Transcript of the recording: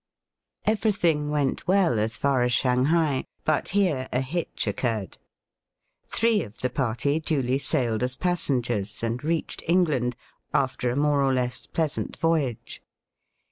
Digitized by VjOOQIC 24 EAST BT WEST. Everything went well as far as Shanghai ; but here a hitch occurred. Three of the party duly sailed as passengers, and reached Eng land after a more or less pleasant voyage.